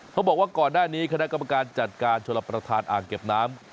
บอกว่าก่อนหน้านี้คณะกรรมการจัดการชลประธานอ่างเก็บน้ำ